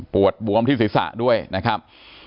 ปวดบวมที่ศิษย์ศาสตร์ด้วยนะครับ